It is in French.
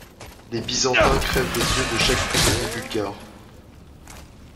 Les Byzantins crèvent les yeux de chaque prisonnier bulgare.